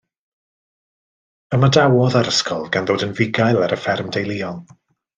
Ymadawodd â'r ysgol gan ddod yn fugail ar y fferm deuluol.